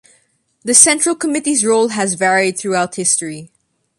The Central Committee's role has varied throughout history.